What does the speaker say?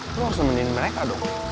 aku harus nemenin mereka dong